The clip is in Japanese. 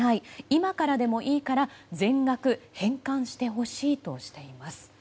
今からでもいいから、全額返還してほしいとしています。